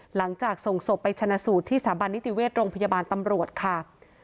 หลังจากส่งศพไปชนะสูตรที่สถาบันนิติเวชโรงพยาบาลตำรวจค่ะ